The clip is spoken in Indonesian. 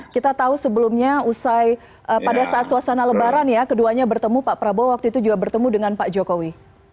kita tahu sebelumnya pada saat suasana lebaran ya keduanya bertemu pak prabowo waktu itu juga bertemu dengan pak jokowi